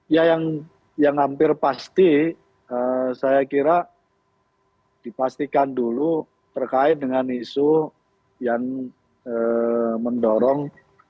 ya yang hampir pasti saya kira dipastikan dulu terkait dengan isu yang mendorong